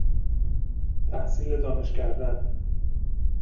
تحصیل دانش کردن